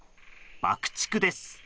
爆竹です。